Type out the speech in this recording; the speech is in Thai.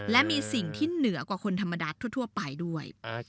และมีสิ่งที่เหนือกว่าคนธรรมดาทั่วไปด้วย